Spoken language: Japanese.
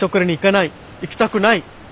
行きたくない。